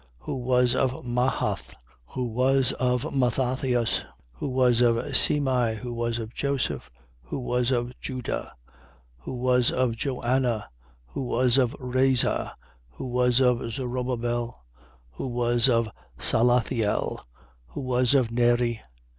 Who was of Mahath, who was of Mathathias, who was of Semei, who was of Joseph, who was of Juda, 3:27. Who was of Joanna, who was of Reza, who was of Zorobabel, who was of Salathiel, who was of Neri, 3:28.